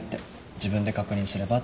自分で確認すればって。